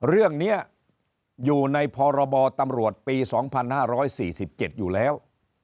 เรื่องนี้อยู่ในพรบตำรวจปี๒๕๔๗อยู่แล้ว